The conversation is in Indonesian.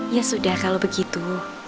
ya sudah kalau begitu